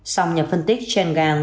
song nhà phân tích chen gang